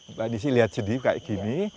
mbak disi lihat sedih kayak gini